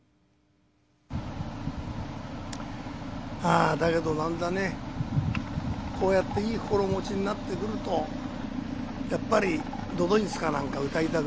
「あだけど何だねこうやっていい心持ちになってくるとやっぱり都々逸か何かうたいたくなるね。